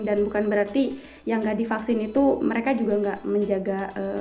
dan bukan berarti yang enggak divaksin itu mereka juga enggak menjadi